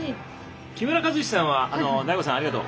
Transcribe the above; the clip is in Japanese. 木村和司さんは大悟さん、ありがとう。